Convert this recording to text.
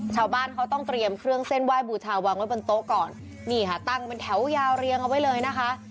ชาวบ้านเขาต้องเตรียมเครื่องเส้นไหว้บูชาวางไว้บนโต๊ะก่อนนี่ค่ะตั้งเป็นแถวยาวเรียงเอาไว้เลยนะคะ